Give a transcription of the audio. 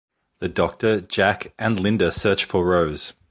The Doctor, Jack, and Lynda search for Rose.